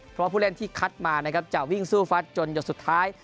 เพราะว่าผู้เล่นที่คัดมานะครับจะวิ่งสู้ฟัดจนหยดสุดท้าย